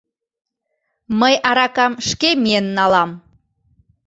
Мый аракам шке миен налам.